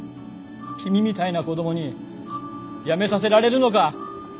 君みたいな子供に辞めさせられるのか。